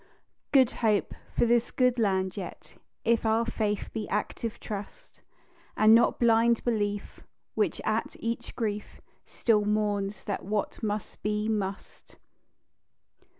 "Good Hope" for this good land yet, If our faith be active trust, And not blind belief, which, at each grief, Still mourns that what must be, must.